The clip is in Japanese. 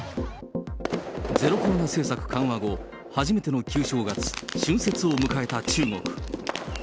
ゼロコロナ政策緩和後、初めての旧正月、春節を迎えた中国。